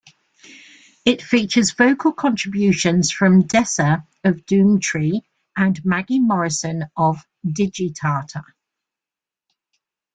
It features vocal contributions from Dessa of Doomtree and Maggie Morrison of Digitata.